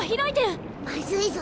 まずいぞ